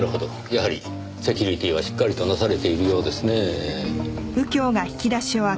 やはりセキュリティーはしっかりとなされているようですねぇ。